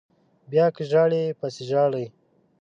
بیا که ژاړئ پسې ژاړئ